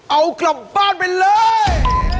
เอากลับบ้านไปเลย